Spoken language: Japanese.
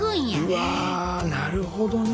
うわなるほどね！